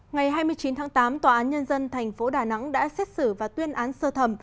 ngày hai mươi chín tháng tám tòa án nhân dân tp đà nẵng đã xét xử và tuyên án sơ thẩm